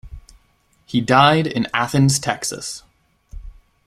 He died in Athens, Texas.